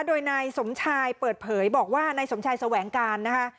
โดยนายสมชายเปิดเผยบอกว่านายสมชายแสวงการนะคะ